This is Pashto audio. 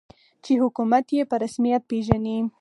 چې حکومت یې په رسمیت پېژني.